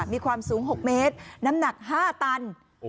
มีความสูง๖เมตรน้ำหนัก๕ตัน